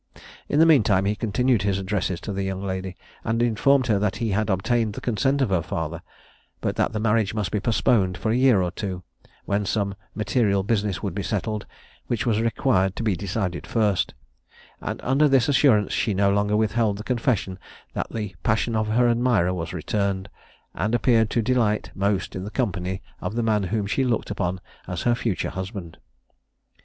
In the mean time he continued his addresses to the young lady, and informed her that he had obtained the consent of her father, but that the marriage must be postponed for a year or two, when some material business would be settled, which was required to be decided first; and under this assurance she no longer withheld the confession that the passion of her admirer was returned, and appeared to delight most in the company of the man whom she looked upon as her future husband.